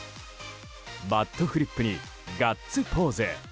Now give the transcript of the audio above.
バットフリップにガッツポーズ。